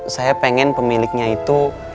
saya pengen pemiliknya itu